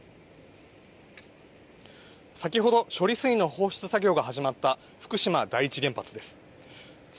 先ほど処理水の放出作業が始まった福島第一原発です。